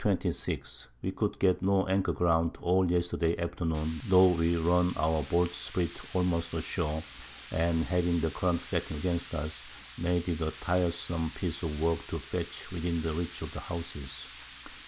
_ We could get no Anchor Ground all Yesterday Afternoon, tho' we run our Boltsprit almost ashore, and having the Current setting against us, made it a tiresome Piece of work to fetch within the reach of the Houses.